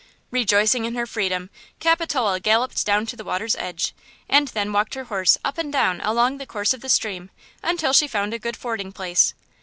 Rejoicing in her freedom, Cap galloped down to the water's edge, and then walked her horse up and down along the course of the stream until she found a good fording place.